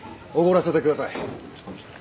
おごらせてください。